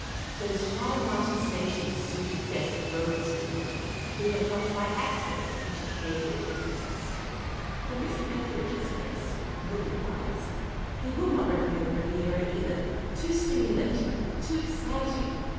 Those high mountain stations suited best the robust invalid, who had dropped by accident into casual phthisis. For Miss Petheridge's case — looking wise — he would not reconnnend the Riviera, either ; too stimulating, too exciting.